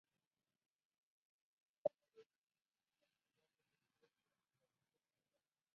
El Consejo de Miembros elige asimismo un vicepresidente.